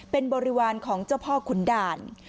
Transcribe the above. เป็นบริวารของเจ้าพ่อขุนด่าน